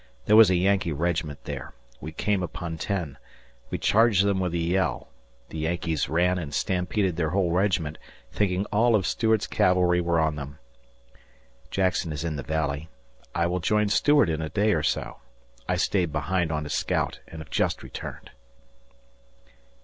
There was a Yankee regiment there. We came upon ten. We charged them with a yell. The Yankees ran and stampeded their whole regiment, thinking all of Stuart's cavalry were on them. ... Jackson is in the Valley. I will join Stuart in a day or so. I stayed behind on a scout and have just returned.